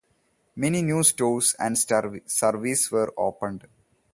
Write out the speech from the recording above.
Many new stores and services were opened.